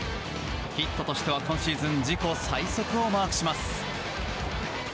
ヒットとしては今シーズン自己最速をマークします。